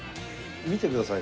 見てください